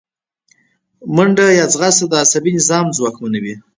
منډه د عصبي نظام ځواکمنوي